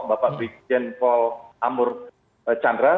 bapak brigjen paul amur chandra